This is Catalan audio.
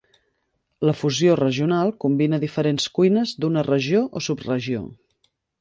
La fusió regional combina diferents cuines d"una regió o subregió.